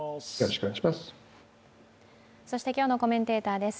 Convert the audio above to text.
そして今日のコメンテーターです。